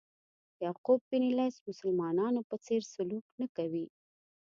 یعقوب بن لیث مسلمانانو په څېر سلوک نه کوي.